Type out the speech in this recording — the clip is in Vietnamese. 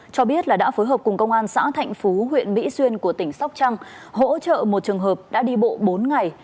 cho biết là đã phối hợp cùng công an xã thạnh phú huyện mỹ xuyên của tỉnh sóc trăng hỗ trợ một trường hợp đã đi bộ bốn ngày